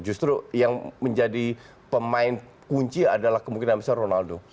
justru yang menjadi pemain kunci adalah kemungkinan besar ronaldo